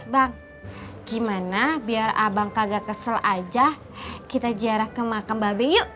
bang gimana biar abang kagak kesel aja kita ziarah ke makam babi yuk